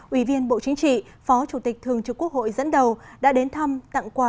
ủy viên bộ chính trị phó chủ tịch thường trực quốc hội dẫn đầu đã đến thăm tặng quà